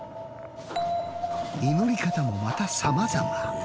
祈り方もまたさまざま。